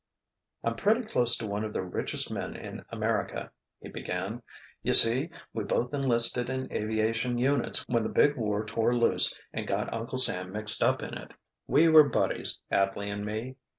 "I'm pretty close to one of the richest men in America," he began. "You see, we both enlisted in aviation units when the big war tore loose and got Uncle Sam mixed up in it. We were buddies, Atley and me.